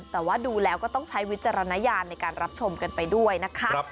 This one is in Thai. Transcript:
แต่ว่าดูแล้วก็ต้องใช้วิจารณญาณในการรับชมกันไปด้วยนะคะ